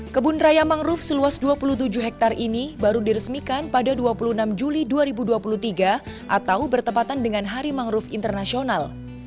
kebun raya mangrove seluas dua puluh tujuh hektare ini baru diresmikan pada dua puluh enam juli dua ribu dua puluh tiga atau bertepatan dengan hari mangrove internasional